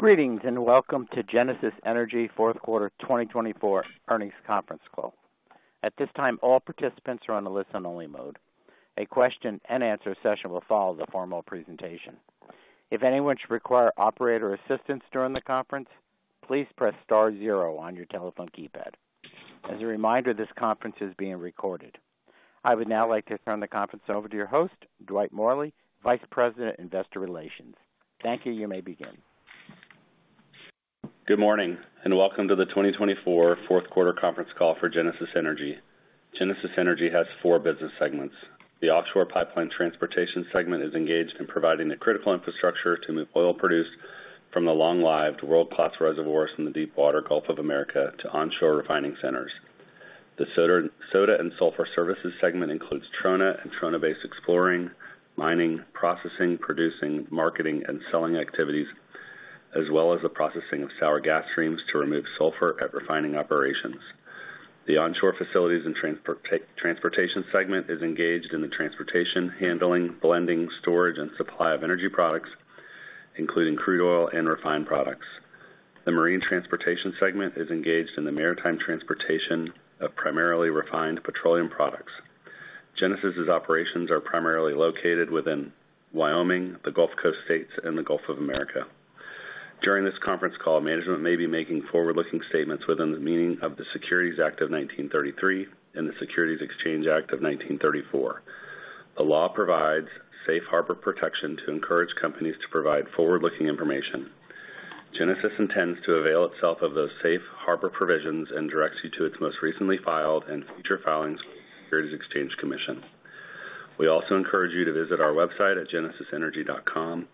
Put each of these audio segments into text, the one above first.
Greetings and welcome to Genesis Energy Fourth Quarter 2024 Earnings Conference Call. At this time, all participants are on a listen-only mode. A question-and-answer session will follow the formal presentation. If anyone should require operator assistance during the conference, please press star zero on your telephone keypad. As a reminder, this conference is being recorded. I would now like to turn the conference over to your host, Dwayne Morley, Vice President, Investor Relations. Thank you. You may begin. Good morning and welcome to the 2024 Fourth Quarter Conference Call for Genesis Energy. Genesis Energy has four business segments. The Offshore Pipeline Transportation segment is engaged in providing the critical infrastructure to move oil produced from the long-lived world-class reservoirs in the deepwater Gulf of Mexico to onshore refining centers. The Soda and Sulfur Services segment includes trona and trona-based exploring, mining, processing, producing, marketing, and selling activities, as well as the processing of sour gas streams to remove sulfur at refining operations. The Onshore Facilities and Transportation segment is engaged in the transportation, handling, blending, storage, and supply of energy products, including crude oil and refined products. The Marine Transportation segment is engaged in the maritime transportation of primarily refined petroleum products. Genesis's operations are primarily located within Wyoming, the Gulf Coast states, and the Gulf of Mexico. During this conference call, management may be making forward-looking statements within the meaning of the Securities Act of 1933 and the Securities Exchange Act of 1934. The law provides safe harbor protection to encourage companies to provide forward-looking information. Genesis intends to avail itself of those safe harbor provisions and directs you to its most recently filed and future filings with the Securities and Exchange Commission. We also encourage you to visit our website at genesisenergy.com,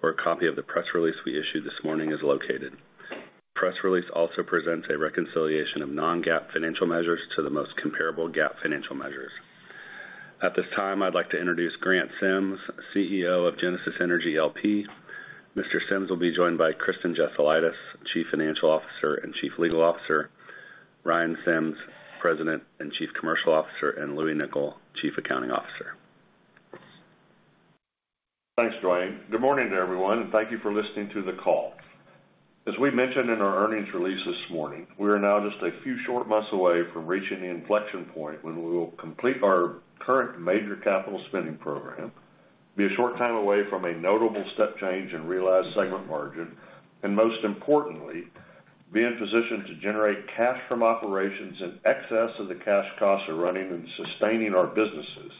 where a copy of the press release we issued this morning is located. The press release also presents a reconciliation of non-GAAP financial measures to the most comparable GAAP financial measures. At this time, I'd like to introduce Grant Sims, CEO of Genesis Energy, L.P. Mr. Sims will be joined by Kristen Jesulaitis, Chief Financial Officer and Chief Legal Officer, Ryan Sims, President and Chief Commercial Officer, and Louie Nicol, Chief Accounting Officer. Thanks, Dwayne. Good morning to everyone, and thank you for listening to the call. As we mentioned in our earnings release this morning, we are now just a few short months away from reaching the inflection point when we will complete our current major capital spending program, be a short time away from a notable step change in realized segment margin, and most importantly, be in position to generate cash from operations in excess of the cash costs of running and sustaining our businesses.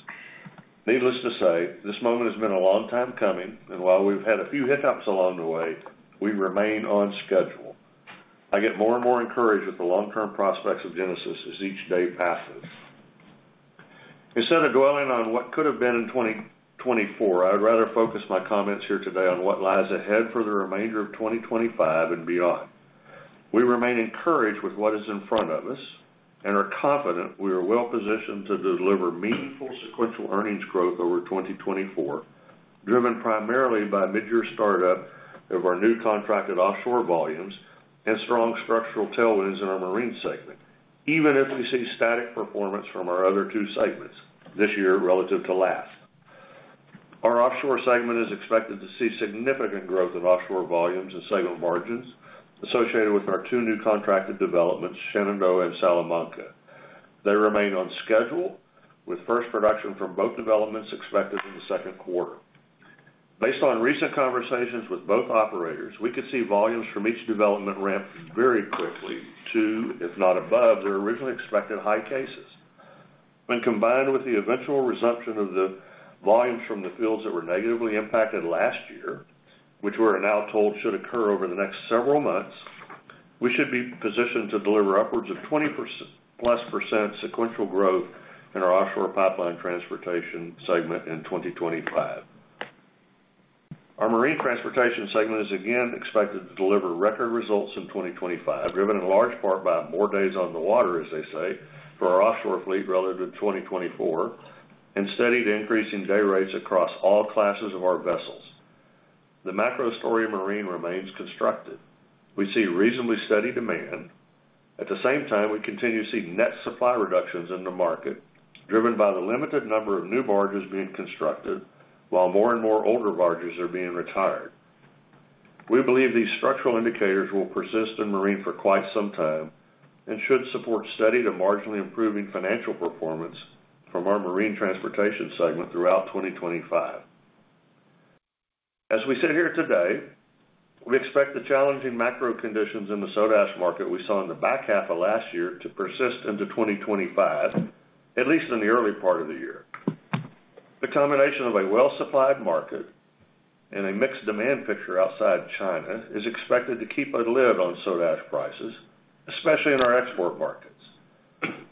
Needless to say, this moment has been a long time coming, and while we've had a few hiccups along the way, we remain on schedule. I get more and more encouraged with the long-term prospects of Genesis as each day passes. Instead of dwelling on what could have been in 2024, I would rather focus my comments here today on what lies ahead for the remainder of 2025 and beyond. We remain encouraged with what is in front of us and are confident we are well positioned to deliver meaningful sequential earnings growth over 2024, driven primarily by mid-year startup of our new contracted offshore volumes and strong structural tailwinds in our marine segment, even if we see static performance from our other two segments this year relative to last. Our offshore segment is expected to see significant growth in offshore volumes and segment margins associated with our two new contracted developments, Shenandoah and Salamanca. They remain on schedule, with first production from both developments expected in the second quarter. Based on recent conversations with both operators, we could see volumes from each development ramp very quickly to, if not above, their originally expected high cases. When combined with the eventual resumption of the volumes from the fields that were negatively impacted last year, which we are now told should occur over the next several months, we should be positioned to deliver upwards of 20-plus% sequential growth in our offshore pipeline transportation segment in 2025. Our Marine Transportation segment is again expected to deliver record results in 2025, driven in large part by more days on the water, as they say, for our offshore fleet relative to 2024, and steady to increasing day rates across all classes of our vessels. The macro story marine remains constructive. We see reasonably steady demand. At the same time, we continue to see net supply reductions in the market, driven by the limited number of new barges being constructed while more and more older barges are being retired. We believe these structural indicators will persist in marine for quite some time and should support steady to marginally improving financial performance from our marine transportation segment throughout 2025. As we sit here today, we expect the challenging macro conditions in the soda ash market we saw in the back half of last year to persist into 2025, at least in the early part of the year. The combination of a well-supplied market and a mixed demand picture outside China is expected to keep a lid on soda ash prices, especially in our export markets.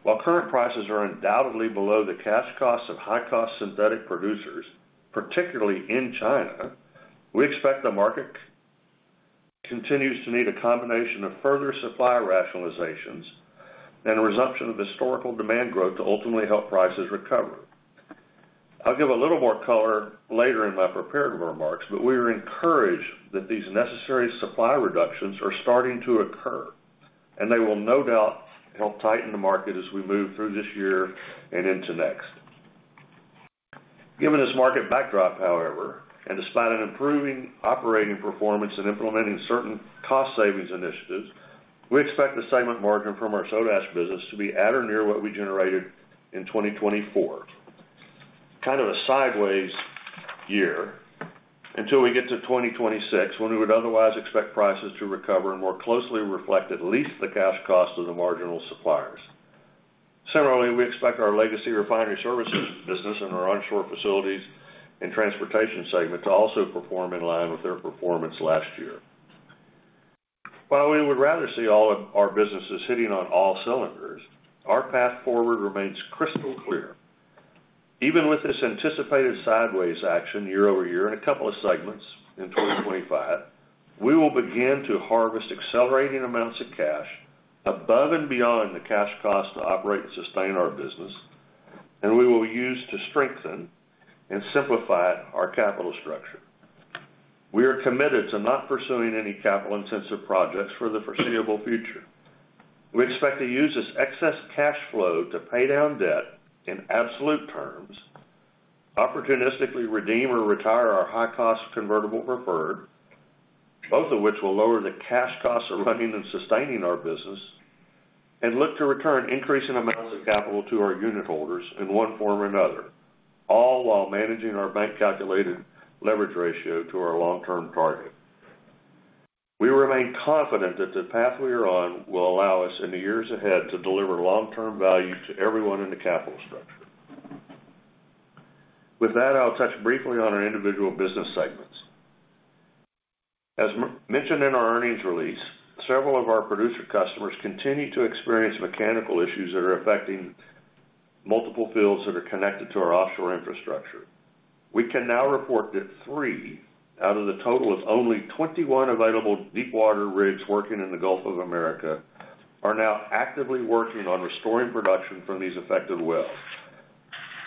While current prices are undoubtedly below the cash costs of high-cost synthetic producers, particularly in China, we expect the market continues to need a combination of further supply rationalizations and resumption of historical demand growth to ultimately help prices recover. I'll give a little more color later in my prepared remarks, but we are encouraged that these necessary supply reductions are starting to occur, and they will no doubt help tighten the market as we move through this year and into next. Given this market backdrop, however, and despite an improving operating performance and implementing certain cost savings initiatives, we expect the segment margin from our soda ash business to be at or near what we generated in 2024. Kind of a sideways year until we get to 2026, when we would otherwise expect prices to recover and more closely reflect at least the cash cost of the marginal suppliers. Similarly, we expect our legacy refinery services business and our onshore facilities and transportation segment to also perform in line with their performance last year. While we would rather see all of our businesses hitting on all cylinders, our path forward remains crystal clear. Even with this anticipated sideways action year over year in a couple of segments in 2025, we will begin to harvest accelerating amounts of cash above and beyond the cash cost to operate and sustain our business, and we will use to strengthen and simplify our capital structure. We are committed to not pursuing any capital-intensive projects for the foreseeable future. We expect to use this excess cash flow to pay down debt in absolute terms, opportunistically redeem or retire our high-cost convertible preferred, both of which will lower the cash costs of running and sustaining our business, and look to return increasing amounts of capital to our unitholders in one form or another, all while managing our bank-calculated leverage ratio to our long-term target. We remain confident that the path we are on will allow us in the years ahead to deliver long-term value to everyone in the capital structure. With that, I'll touch briefly on our individual business segments. As mentioned in our earnings release, several of our producer customers continue to experience mechanical issues that are affecting multiple fields that are connected to our offshore infrastructure. We can now report that three out of the total of only 21 available deepwater rigs working in the Gulf of Mexico are now actively working on restoring production from these affected wells.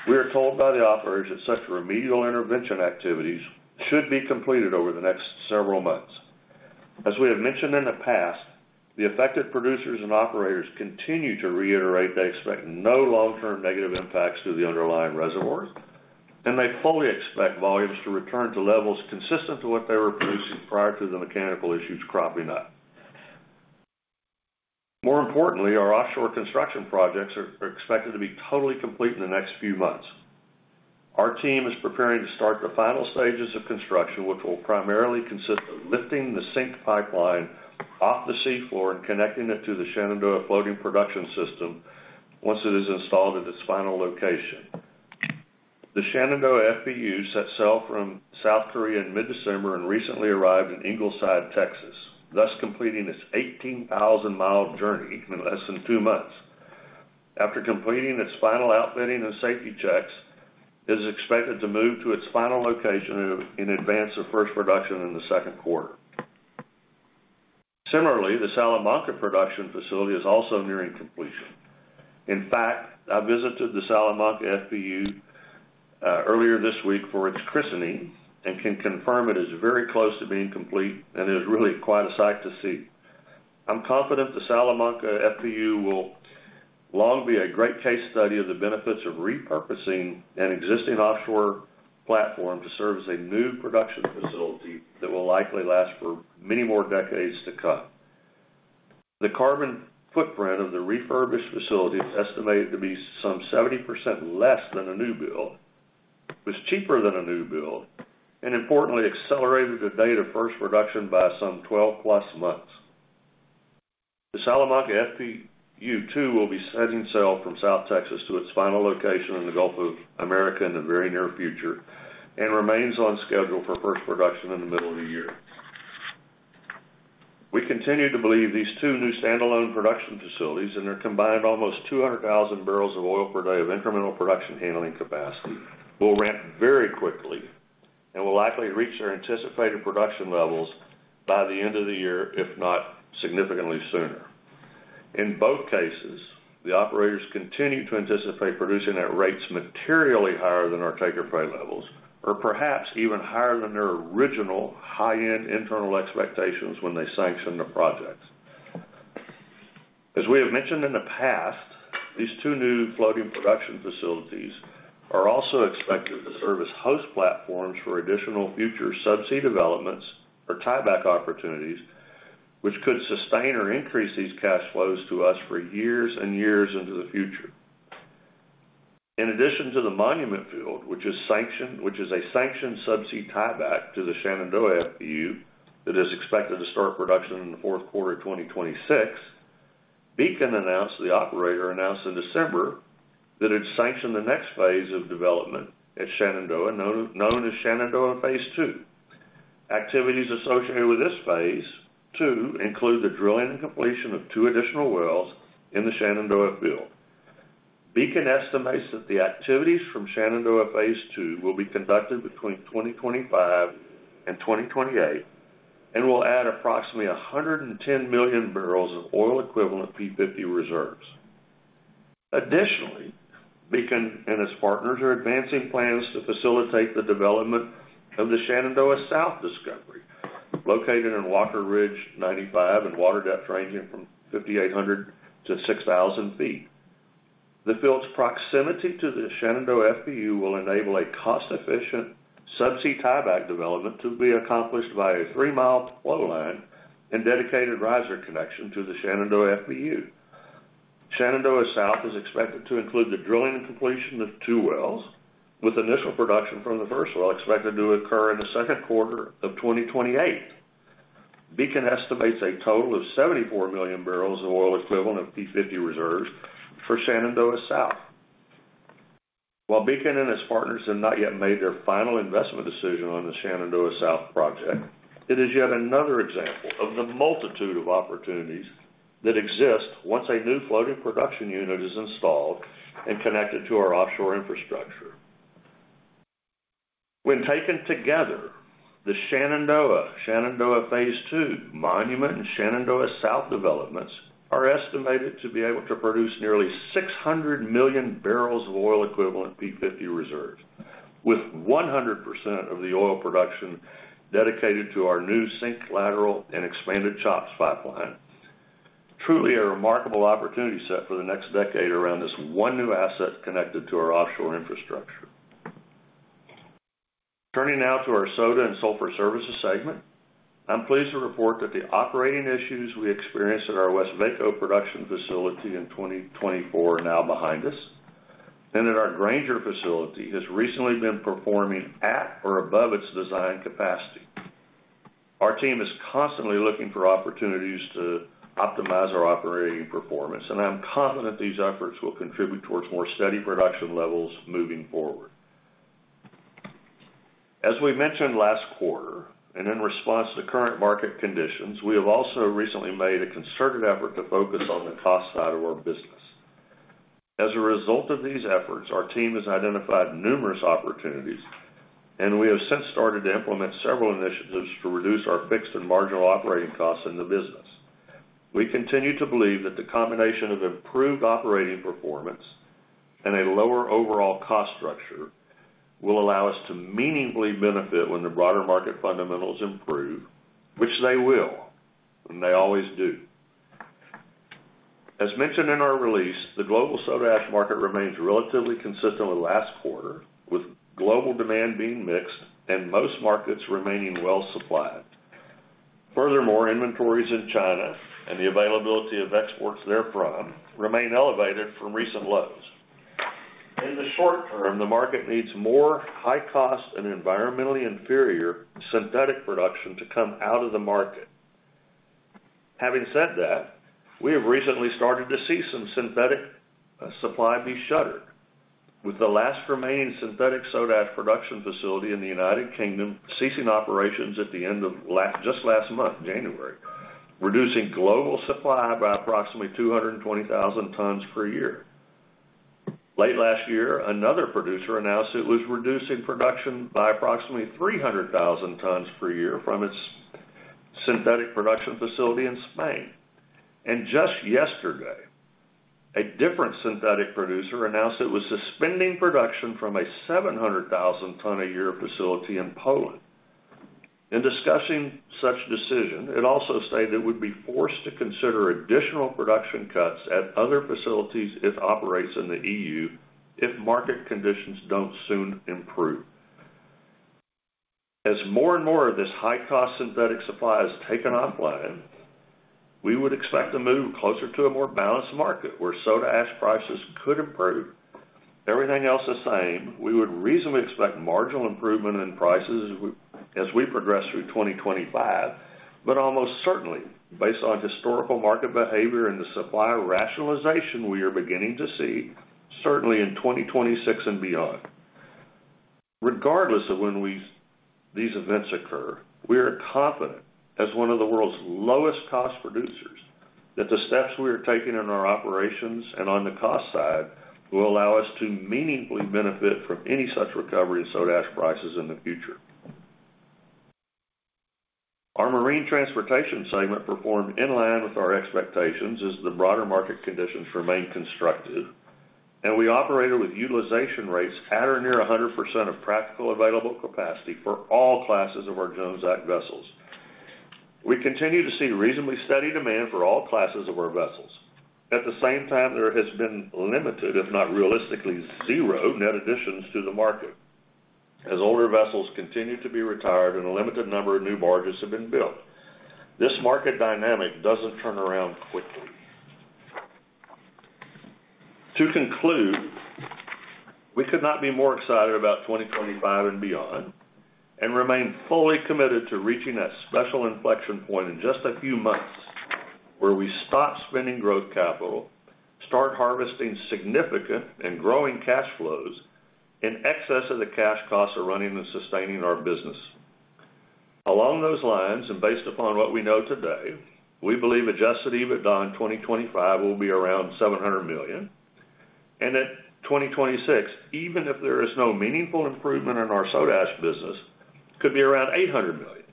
We are told by the operators that such remedial intervention activities should be completed over the next several months. As we have mentioned in the past, the affected producers and operators continue to reiterate they expect no long-term negative impacts to the underlying reservoirs, and they fully expect volumes to return to levels consistent to what they were producing prior to the mechanical issues cropping up. More importantly, our offshore construction projects are expected to be totally complete in the next few months. Our team is preparing to start the final stages of construction, which will primarily consist of lifting the SYNC pipeline off the seafloor and connecting it to the Shenandoah floating production system once it is installed at its final location. The Shenandoah FPU set sail from South Korea in mid-December and recently arrived in Ingleside, Texas, thus completing its 18,000-mile journey in less than two months. After completing its final outfitting and safety checks, it is expected to move to its final location in advance of first production in the second quarter. Similarly, the Salamanca production facility is also nearing completion. In fact, I visited the Salamanca FPU earlier this week for its christening and can confirm it is very close to being complete and is really quite a sight to see. I'm confident the Salamanca FPU will long be a great case study of the benefits of repurposing an existing offshore platform to serve as a new production facility that will likely last for many more decades to come. The carbon footprint of the refurbished facility is estimated to be some 70% less than a new build, was cheaper than a new build, and importantly, accelerated the date of first production by some 12-plus months. The Salamanca FPU too will be setting sail from South Texas to its final location in the Gulf of Mexico in the very near future and remains on schedule for first production in the middle of the year. We continue to believe these two new standalone production facilities and their combined almost 200,000 barrels of oil per day of incremental production handling capacity will ramp very quickly and will likely reach their anticipated production levels by the end of the year, if not significantly sooner. In both cases, the operators continue to anticipate producing at rates materially higher than our take-or-pay levels or perhaps even higher than their original high-end internal expectations when they sanctioned the projects. As we have mentioned in the past, these two new floating production facilities are also expected to serve as host platforms for additional future subsea developments or tieback opportunities, which could sustain or increase these cash flows to us for years and years into the future. In addition to the Monument Field, which is a sanctioned subsea tieback to the Shenandoah FPU that is expected to start production in the fourth quarter of 2026, Beacon announced, the operator announced in December, that it's sanctioned the next phase of development at Shenandoah, known as Shenandoah Phase Two. Activities associated with this Phase Two include the drilling and completion of two additional wells in the Shenandoah Field. Beacon estimates that the activities from Shenandoah Phase Two will be conducted between 2025 and 2028 and will add approximately 110 million barrels of oil-equivalent P50 reserves. Additionally, Beacon and its partners are advancing plans to facilitate the development of the Shenandoah South Discovery, located in Walker Ridge 95 and water depth ranging from 5,800-6,000 feet. The field's proximity to the Shenandoah FPU will enable a cost-efficient subsea tieback development to be accomplished by a three-mile flow line and dedicated riser connection to the Shenandoah FPU. Shenandoah South is expected to include the drilling and completion of two wells, with initial production from the first well expected to occur in the second quarter of 2028. Beacon estimates a total of 74 million barrels of oil-equivalent of P50 reserves for Shenandoah South. While Beacon and its partners have not yet made their final investment decision on the Shenandoah South project, it is yet another example of the multitude of opportunities that exist once a new floating production unit is installed and connected to our offshore infrastructure. When taken together, the Shenandoah, Shenandoah Phase Two, Monument, and Shenandoah South developments are estimated to be able to produce nearly 600 million barrels of oil-equivalent P50 reserves, with 100% of the oil production dedicated to our new SYNC, lateral, and expanded CHOPS pipeline. Truly a remarkable opportunity set for the next decade around this one new asset connected to our offshore infrastructure. Turning now to our soda and sulfur services segment, I'm pleased to report that the operating issues we experienced at our Westvaco production facility in 2024 are now behind us, and that our Granger facility has recently been performing at or above its design capacity. Our team is constantly looking for opportunities to optimize our operating performance, and I'm confident these efforts will contribute towards more steady production levels moving forward. As we mentioned last quarter, and in response to current market conditions, we have also recently made a concerted effort to focus on the cost side of our business. As a result of these efforts, our team has identified numerous opportunities, and we have since started to implement several initiatives to reduce our fixed and marginal operating costs in the business. We continue to believe that the combination of improved operating performance and a lower overall cost structure will allow us to meaningfully benefit when the broader market fundamentals improve, which they will, and they always do. As mentioned in our release, the global soda ash market remains relatively consistent with last quarter, with global demand being mixed and most markets remaining well supplied. Furthermore, inventories in China and the availability of exports therefrom remain elevated from recent lows. In the short term, the market needs more high-cost and environmentally inferior synthetic production to come out of the market. Having said that, we have recently started to see some synthetic supply be shuttered, with the last remaining synthetic soda ash production facility in the United Kingdom ceasing operations at the end of just last month, January, reducing global supply by approximately 220,000 tons per year. Late last year, another producer announced it was reducing production by approximately 300,000 tons per year from its synthetic production facility in Spain. And just yesterday, a different synthetic producer announced it was suspending production from a 700,000-ton-a-year facility in Poland. In discussing such decision, it also stated it would be forced to consider additional production cuts at other facilities it operates in the EU if market conditions don't soon improve. As more and more of this high-cost synthetic supply has taken offline, we would expect a move closer to a more balanced market where soda ash prices could improve. Everything else the same, we would reasonably expect marginal improvement in prices as we progress through 2025, but almost certainly, based on historical market behavior and the supply rationalization we are beginning to see, certainly in 2026 and beyond. Regardless of when these events occur, we are confident, as one of the world's lowest-cost producers, that the steps we are taking in our operations and on the cost side will allow us to meaningfully benefit from any such recovery in soda ash prices in the future. Our marine transportation segment performed in line with our expectations as the broader market conditions remain constrained, and we operated with utilization rates at or near 100% of practical available capacity for all classes of our Jones Act vessels. We continue to see reasonably steady demand for all classes of our vessels. At the same time, there has been limited, if not realistically zero, net additions to the market, as older vessels continue to be retired and a limited number of new barges have been built. This market dynamic doesn't turn around quickly. To conclude, we could not be more excited about 2025 and beyond and remain fully committed to reaching a special inflection point in just a few months where we stop spending growth capital, start harvesting significant and growing cash flows in excess of the cash costs of running and sustaining our business. Along those lines, and based upon what we know today, we believe Adjusted EBITDA in 2025 will be around $700 million, and in 2026, even if there is no meaningful improvement in our soda ash business, could be around $800 million.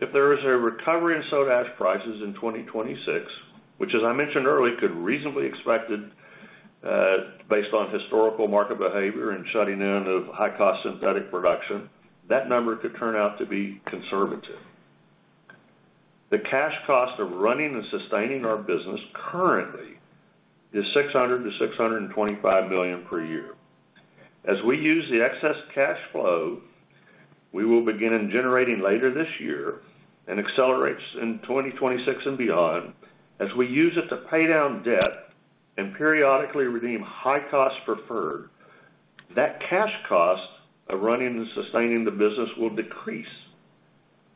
If there is a recovery in soda ash prices in 2026, which, as I mentioned earlier, could reasonably expect based on historical market behavior and shutting down of high-cost synthetic production, that number could turn out to be conservative. The cash cost of running and sustaining our business currently is $600-$625 million per year. As we use the excess cash flow we will begin in generating later this year and accelerate in 2026 and beyond, as we use it to pay down debt and periodically redeem high-cost preferred, that cash cost of running and sustaining the business will decrease.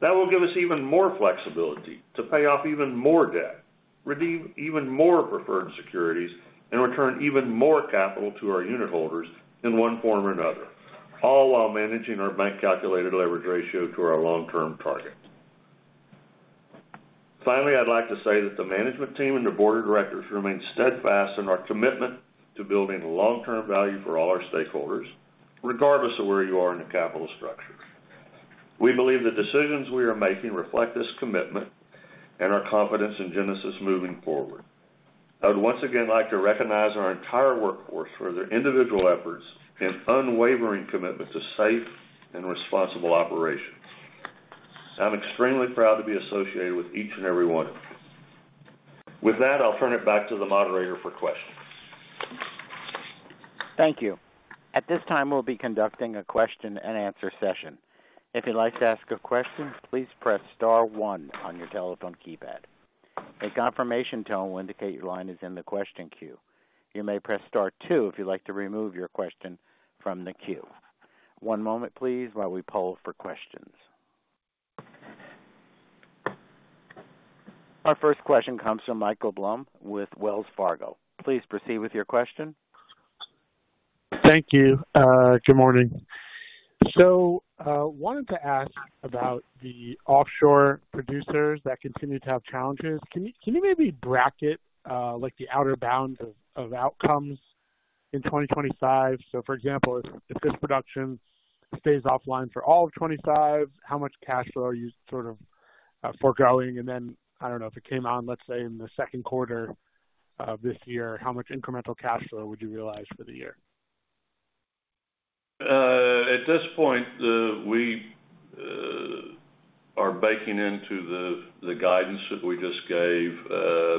That will give us even more flexibility to pay off even more debt, redeem even more preferred securities, and return even more capital to our unit holders in one form or another, all while managing our bank-calculated leverage ratio to our long-term target. Finally, I'd like to say that the management team and the board of directors remain steadfast in our commitment to building long-term value for all our stakeholders, regardless of where you are in the capital structure. We believe the decisions we are making reflect this commitment and our confidence in Genesis Moving Forward. I would once again like to recognize our entire workforce for their individual efforts and unwavering commitment to safe and responsible operations. I'm extremely proud to be associated with each and every one of you. With that, I'll turn it back to the moderator for questions. Thank you. At this time, we'll be conducting a question-and-answer session. If you'd like to ask a question, please press Star 1 on your telephone keypad. A confirmation tone will indicate your line is in the question queue. You may press Star 2 if you'd like to remove your question from the queue. One moment, please, while we poll for questions. Our first question comes from Michael Blum with Wells Fargo. Please proceed with your question. Thank you. Good morning. So I wanted to ask about the offshore producers that continue to have challenges. Can you maybe bracket the outer bounds of outcomes in 2025? So, for example, if this production stays offline for all of 2025, how much cash flow are you sort of foregoing? And then, I don't know, if it came on, let's say, in the second quarter of this year, how much incremental cash flow would you realize for the year? At this point, we are baking into the guidance that we just gave,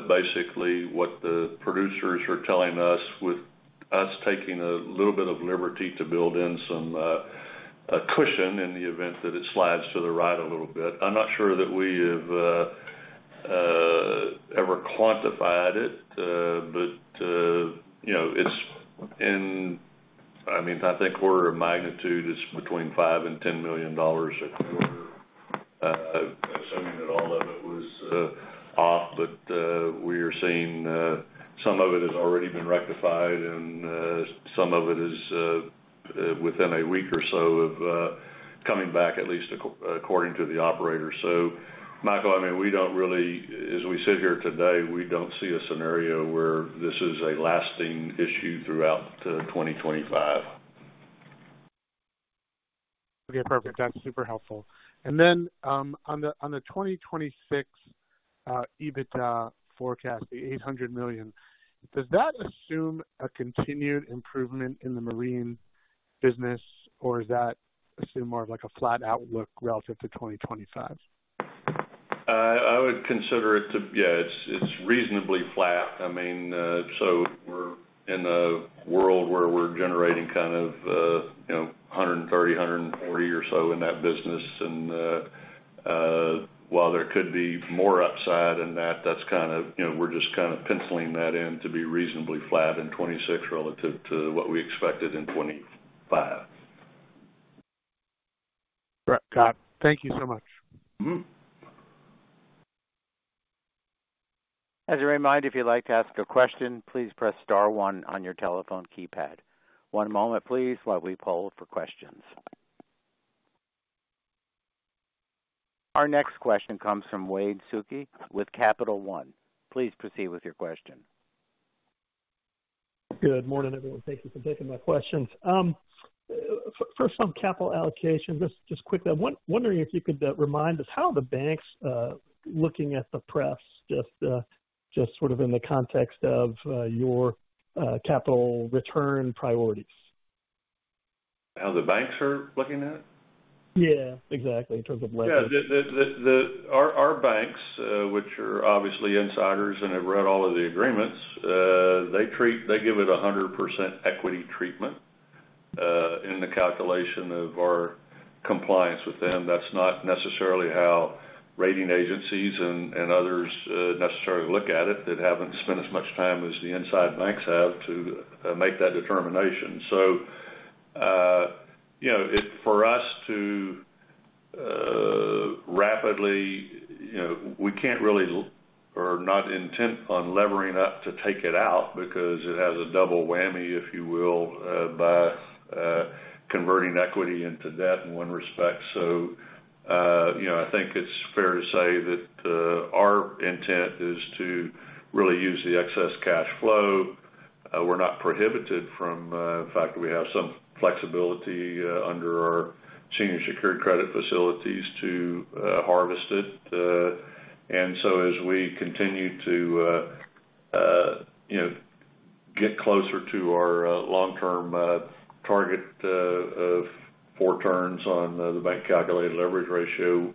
basically what the producers are telling us, with us taking a little bit of liberty to build in some cushion in the event that it slides to the right a little bit. I'm not sure that we have ever quantified it, but it's in, I mean, I think order of magnitude, it's between $5 million and $10 million a quarter, assuming that all of it was off, but we are seeing some of it has already been rectified, and some of it is within a week or so of coming back, at least according to the operator. So, Michael, I mean, we don't really, as we sit here today, we don't see a scenario where this is a lasting issue throughout 2025. Okay, perfect. That's super helpful. And then on the 2026 EBITDA forecast, the $800 million, does that assume a continued improvement in the marine business, or is that assumed more of a flat outlook relative to 2025? I would consider it to, yeah, it's reasonably flat. I mean, so we're in a world where we're generating kind of 130, 140 or so in that business. While there could be more upside in that, that's kind of, we're just kind of penciling that in to be reasonably flat in 2026 relative to what we expected in 2025. Got it. Thank you so much. As a reminder, if you'd like to ask a question, please press Star 1 on your telephone keypad. One moment, please, while we poll for questions. Our next question comes from Wade Suki with Capital One. Please proceed with your question. Good morning, everyone. Thank you for taking my questions. First, some capital allocation, just quickly. I'm wondering if you could remind us how the banks, looking at the press, just sort of in the context of your capital return priorities. How the banks are looking at it? Yeah, exactly, in terms of leverage. Yeah. Our banks, which are obviously insiders and have read all of the agreements, they give it 100% equity treatment in the calculation of our compliance with them. That's not necessarily how rating agencies and others necessarily look at it. They haven't spent as much time as the inside banks have to make that determination. So for us to rapidly, we can't really or not intent on levering up to take it out because it has a double whammy, if you will, by converting equity into debt in one respect. So I think it's fair to say that our intent is to really use the excess cash flow. We're not prohibited from, in fact, we have some flexibility under our senior secured credit facilities to harvest it. And so as we continue to get closer to our long-term target of four turns on the bank-calculated leverage ratio,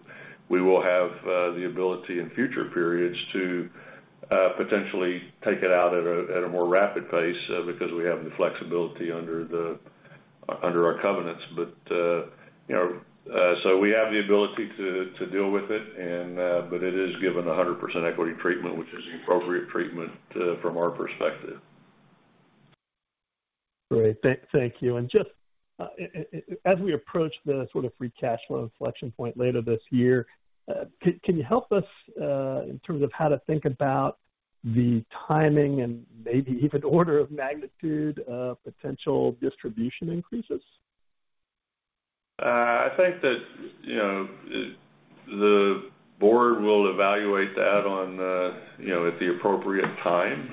we will have the ability in future periods to potentially take it out at a more rapid pace because we have the flexibility under our covenants. But so we have the ability to deal with it, but it is given 100% equity treatment, which is the appropriate treatment from our perspective. Great. Thank you. And just as we approach the sort of free cash flow inflection point later this year, can you help us in terms of how to think about the timing and maybe even order of magnitude of potential distribution increases? I think that the board will evaluate that at the appropriate time.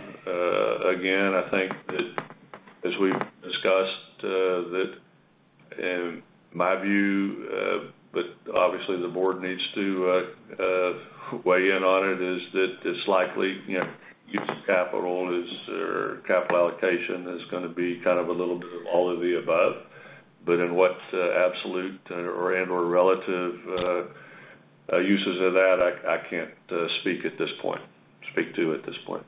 Again, I think that, as we've discussed, that in my view, but obviously the board needs to weigh in on it, is that it's likely capital allocation is going to be kind of a little bit of all of the above. But in what absolute and/or relative uses of that, I can't speak to that at this point.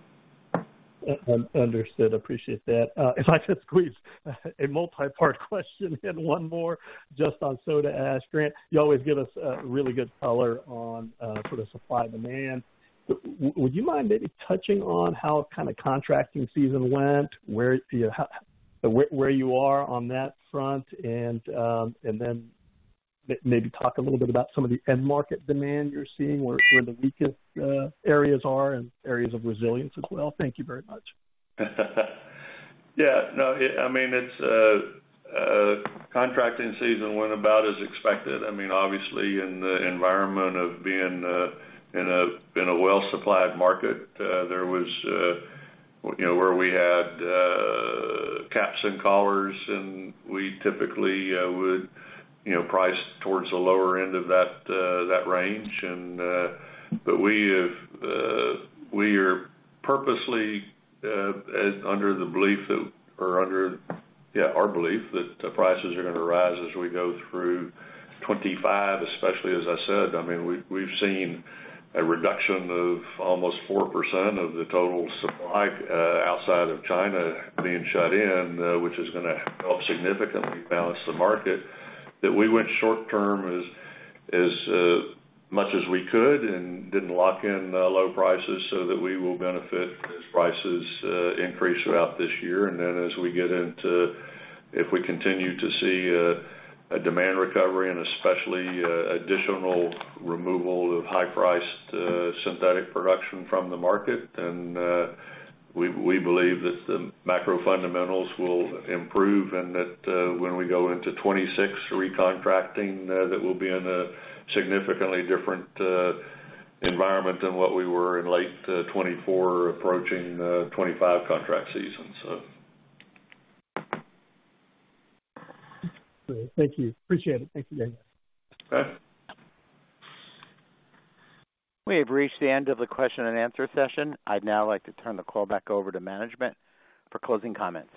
Understood. Appreciate that. If I could squeeze a multi-part question in, one more just on soda ash, Grant, you always give us a really good color on sort of supply demand. Would you mind maybe touching on how kind of contracting season went, where you are on that front, and then maybe talk a little bit about some of the end market demand you're seeing, where the weakest areas are and areas of resilience as well? Thank you very much. Yeah. No, I mean, contracting season went about as expected. I mean, obviously, in the environment of being in a well-supplied market, there was where we had caps and collars, and we typically would price towards the lower end of that range. But we are purposely under the belief that, or under, yeah, our belief that prices are going to rise as we go through 2025, especially, as I said, I mean, we've seen a reduction of almost 4% of the total supply outside of China being shut in, which is going to help significantly balance the market. That we went short-term as much as we could and didn't lock in low prices so that we will benefit as prices increase throughout this year. And then, as we get into, if we continue to see a demand recovery and especially additional removal of high-priced synthetic production from the market, then we believe that the macro fundamentals will improve and that when we go into 2026 re-contracting, that we'll be in a significantly different environment than what we were in late 2024 approaching 2025 contract season, so. Great. Thank you. Appreciate it. Thank you, Daniel. Okay. We have reached the end of the question and answer session. I'd now like to turn the call back over to management for closing comments.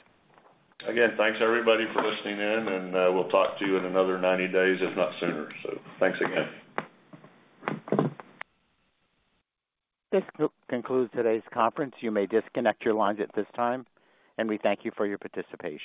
Again, thanks everybody for listening in, and we'll talk to you in another 90 days, if not sooner. So thanks again. This concludes today's conference. You may disconnect your lines at this time, and we thank you for your participation.